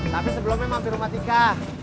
tapi sebelumnya mau ke rumah tika